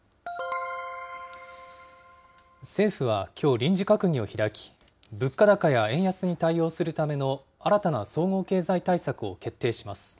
政府はきょう、臨時閣議を開き、物価高や円安に対応するための新たな総合経済対策を決定します。